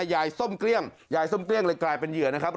ส้มเกลี้ยงยายส้มเกลี้ยงเลยกลายเป็นเหยื่อนะครับ